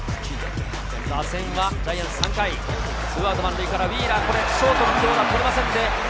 打線はジャイアンツ３回、２アウト満塁からウィーラー、ショートの京田が捕れませんで